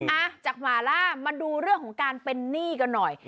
อ่ะจากหมาล่ามาดูเรื่องของการเป็นหนี้กันหน่อย